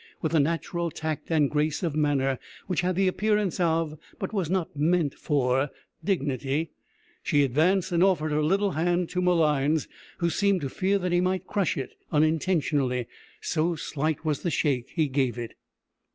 With a natural tact and grace of manner which had the appearance of, but was not meant for, dignity, she advanced and offered her little hand to Malines, who seemed to fear that he might crush it unintentionally, so slight was the shake he gave it.